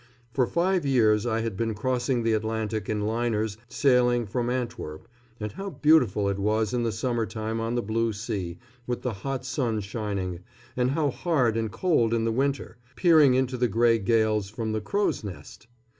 For five years I had been crossing the Atlantic in liners sailing from Antwerp and how beautiful it was in the summer time on the blue sea, with the hot sun shining; and how hard and cold in the winter, peering into the grey gales from the crow's nest!